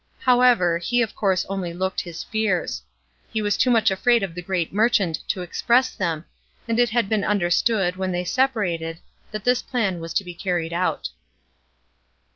However, he of course only looked his fears. He was too much afraid of the great merchant to express them, and it had been understood, when they separated, that this plan was to be carried out.